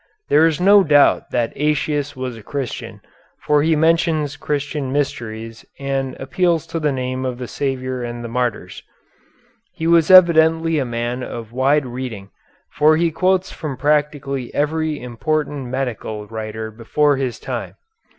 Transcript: There is no doubt that Aëtius was a Christian, for he mentions Christian mysteries, and appeals to the name of the Saviour and the martyrs. He was evidently a man of wide reading, for he quotes from practically every important medical writer before his time.